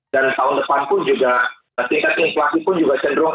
dan tahun depan pun juga tingkat inflasi pun juga cenderung ee